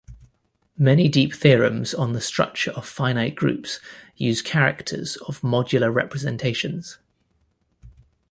Many deep theorems on the structure of finite groups use characters of modular representations.